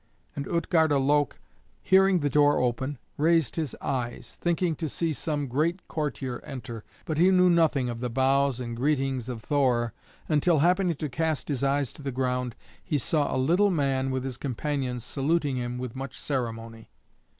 And Utgarda Loke, hearing the door open, raised his eyes, thinking to see some great courtier enter, but he knew nothing of the bows and greetings of Thor, until happening to cast his eyes to the ground, he saw a little man with his companions saluting him with much ceremony.